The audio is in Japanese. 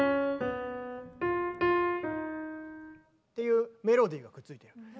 っていうメロディーがくっついてる。